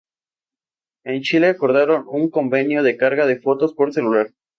En Chile acordaron un convenio de carga de fotos por celular.